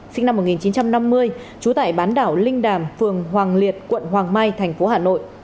sinh năm một nghìn chín trăm năm mươi trú tại bán đảo linh đàm phường hoàng liệt quận hoàng mai thành phố hà nội